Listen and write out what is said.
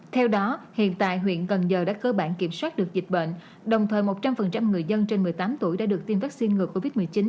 theo đó hiện tại huyện cần giờ đã cơ bản kiểm soát được dịch bệnh đồng thời một trăm linh người dân trên một mươi tám tuổi đã được tiêm vaccine ngừa covid một mươi chín